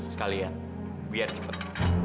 sekali ya biar cepet